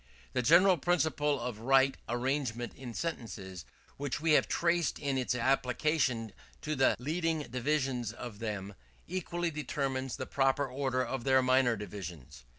The general principle of right arrangement in sentences, which we have traced in its application to the leading divisions of them, equally determines the proper order of their minor divisions.